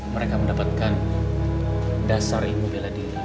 mereka mendapatkan dasar ilmu bela diri